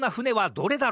どれだ？